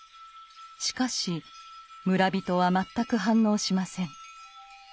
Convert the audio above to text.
しかし村人は全く反応しません。